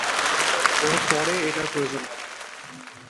ওর পরে এটার প্রয়োজন হবে।